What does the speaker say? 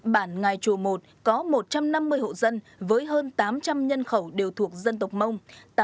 bản ngài chùa một có một trăm năm mươi hộ dân với hơn tám trăm linh nhân khẩu đều thuộc dân tộc mông